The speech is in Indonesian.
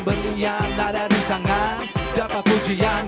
berhenti mengingat ada di tangan dapat pujian